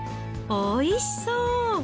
おいしそう。